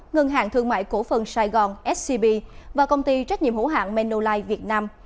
ngân hàng thương mại cổ phần sài gòn scb và công ty trách nhiệm hữu hạng manolife việt nam